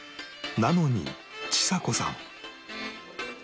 なのにちさ子さん